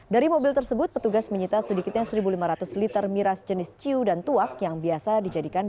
dari mobil tersebut petugas menyita sedikitnya satu lima ratus liter miras jenis ciu dan tuak yang biasa dijadikan